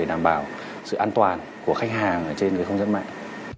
để đảm bảo sự an toàn của khách hàng trên không gian mạng